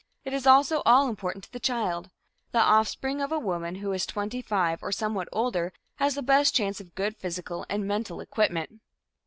It is also all important to the child; the offspring of a woman who is twenty five or somewhat older has the best chance of good physical and mental equipment.